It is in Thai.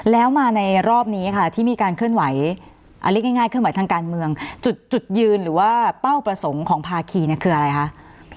แล้วมาในรอบนี้ที่มีการเคลื่อนไหวทางการเมืองจุดยืนหรือว่าเป้าประสงค์ของภาคีคืออะไรครับ